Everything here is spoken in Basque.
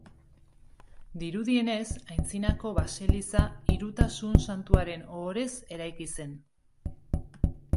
Dirudienez, antzinako baseliza Hirutasun Santuaren ohorez eraiki zen.